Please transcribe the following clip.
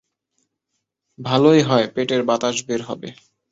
ভালোই হয়, পেটের বাতাস বের হবে!